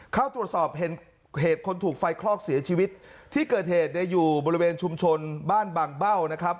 เข้าตรวจสอบเหตุคนถูกไฟคลอกเสียชีวิตที่เกิดเหตุเนี่ยอยู่บริเวณชุมชนบ้านบางเบ้านะครับ